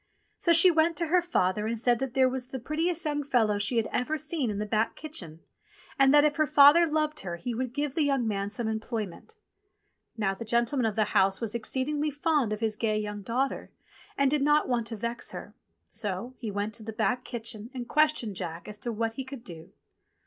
So she went to her father and said that there was the prettiest young fellow she had ever seen in the back kitchen, 40 ENGLISH FAIRY TALES and that if her father loved her he would give the young man some employment. Now the gentleman of the house was exceedingly fond of his gay young daughter, and did not want to vex her ; so he went into the back kitchen and ques tioned Jack as to what he could do.